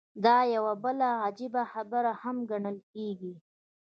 دا يوه بله عجيبه خبره هم ګڼل کېږي.